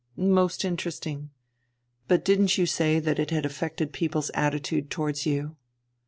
"Most interesting. But didn't you say that it had affected people's attitude towards you?"